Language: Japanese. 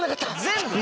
全部。